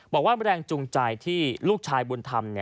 บอกว่าแรงจูงใจที่ลูกชายบุญธรรม